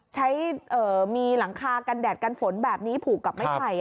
ใช้มีหลังคากันแดดกันฝนแบบนี้ผูกกับไม้ไผ่